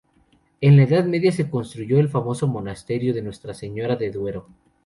En la Edad Media se construyó el famoso monasterio de Nuestra Señora de Duero.